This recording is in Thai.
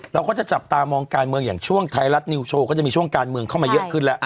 เราก็จะจับตามองการเมืองอย่างช่วงไทยรัฐนิวโชว์ก็จะมีช่วงการเมืองเข้ามาเยอะขึ้นแล้ว